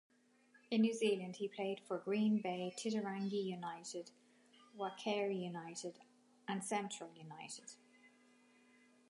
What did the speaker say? In New Zealand he played for Green Bay-Titirangi United, Waitakere United and Central United.